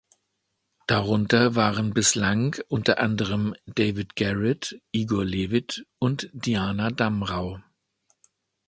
Darunter waren bislang unter anderem David Garrett, Igor Levit und Diana Damrau.